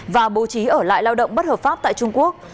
và bố trí ở lại lao động bất hợp pháp tại trung quốc